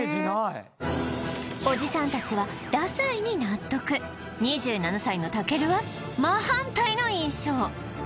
おじさんたちはダサいに納得２７歳のたけるは真反対の印象